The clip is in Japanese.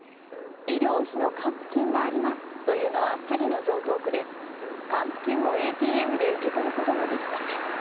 医療費の還付金がありますというのは詐欺の常とう句で還付金をＡＴＭで受け取ることもできません。